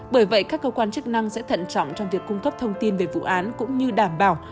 bởi vậy các cơ quan chức năng sẽ thận trọng trong việc cung cấp thông tin về vụ án cũng như đảm bảo